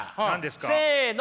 せの！